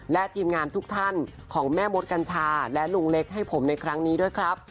และทีมงานทุกท่านของแม่มดกัญชาและลุงเล็กให้ผมในครั้งนี้ด้วยครับ